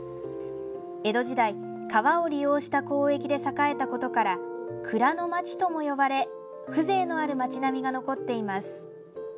江戸時代、川を利用した交易で栄えたことから蔵の町とも呼ばれ風情のある街並が残っています。